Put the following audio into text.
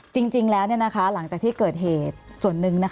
จริงแล้วหลังจากที่เกิดเหตุส่วนหนึ่ง